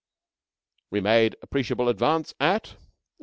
We made appreciable advance at ," &c.